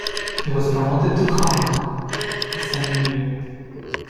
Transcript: He was promoted to colonel the same year.